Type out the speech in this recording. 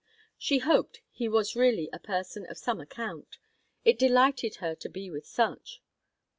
She hoped he was really a person of some account; it delighted her to be with such.